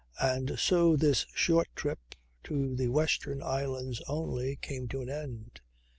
And so this short trip to the Western Islands only came to an end.